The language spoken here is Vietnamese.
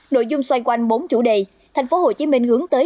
nội dung xoay quanh bốn chủ đề thành phố hồ chí minh hướng tới